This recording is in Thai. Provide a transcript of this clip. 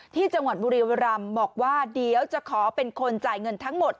ที่จังหวัดบุรีรำบอกว่าเดี๋ยวจะขอเป็นคนจ่ายเงินทั้งหมด